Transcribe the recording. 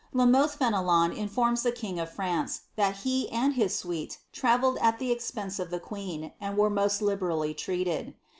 La Mothe Fenelon informs the king of France that he and his suite travelled at the expense of the queen, and were most liberally treated.